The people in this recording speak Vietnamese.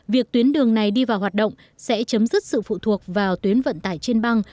việc tuyến đường này đi vào hoạt động sẽ chấm dứt sự phụ thuộc vào tuyến vận tải trên băng